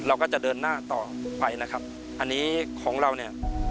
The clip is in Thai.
เราก็จะเดินหน้าต่อไปนะครับอันนี้ของเราเนี่ย